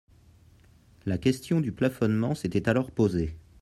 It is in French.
La question du plafonnement s’était alors posée.